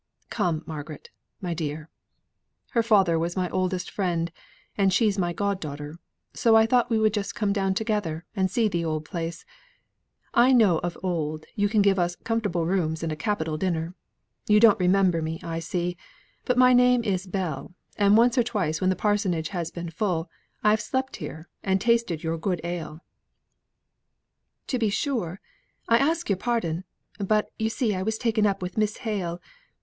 Come, Margaret, my dear! Her father was my oldest friend, and she's my god daughter, so I thought we would just come down together and see the old place; and I know of old you can give us comfortable rooms and a capital dinner. You don't remember me I see, but my name is Bell, and once or twice when the parsonage has been full, I've slept here, and tasted your good ale." "To be sure; I ask your pardon; but you see I was taken up with Miss Hale.